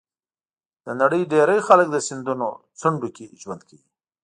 د نړۍ ډېری خلک د سیندونو څنډو کې ژوند کوي.